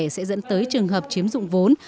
sẽ dẫn tới trường hợp chiếm dụng vốn